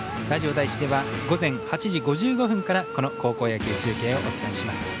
ラジオ第１では午前８時５５分から高校野球中継をお伝えします。